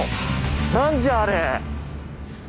何じゃあれ！